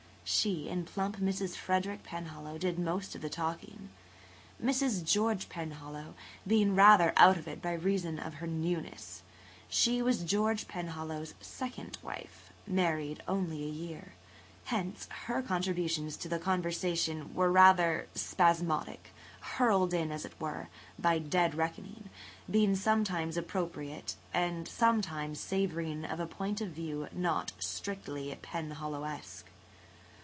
She and plump Mrs. Frederick Penhallow did most of the talking, Mrs. George Penhallow being rather out of it by reason of her newness. [Page 137] She was George Penhallow's second wife, married only a year. Hence, her contributions to the conversation were rather spasmodic, hurled in, as it were, by dead reckoning, being sometimes appropriate and sometimes savouring of a point of view not strictly Penhallowesque.